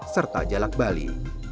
serta jalak bali